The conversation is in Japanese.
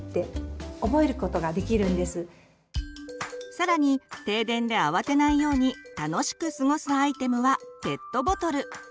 更に停電で慌てないように楽しく過ごすアイテムはペットボトル！